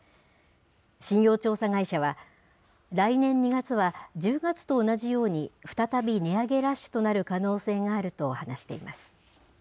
信用調査会社は、来年２月は１０月と同じように、再び、値上げラッシュとなる可能性があると話しています。